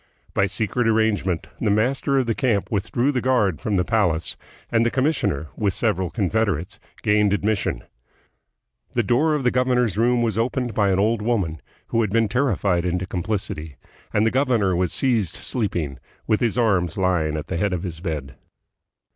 By secret arrangement, the master of the camp withdrew the guard from the palace, and the commissioner, with several confederates, gained admission. The door of the governor's room was opened by an old woman, who had been terrified into complicity, and the governor was seized sleeping, with his arms lying at the head of his bed.